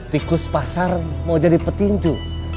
tikus pasar mau jadi petinju